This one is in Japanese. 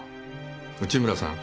内村さん